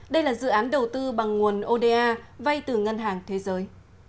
đây là dự án đầu tư bằng nguồn oda vay từ ngân hàng thế giới